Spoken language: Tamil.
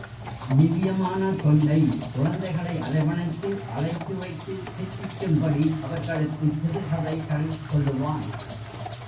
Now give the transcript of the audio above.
திவ்யமான தொண்டை, குழந்தைகளை அரவணைத்து அழைத்து வைத்து, தித்திக்கும்படி அவர்களுக்குச் சிறுகதைகள் சொல்லுவான்.